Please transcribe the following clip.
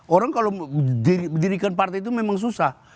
orang kalau didirikan partai itu memang susah